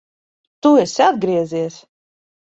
Tu esi atgriezies!